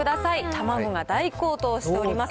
卵が大高騰しております。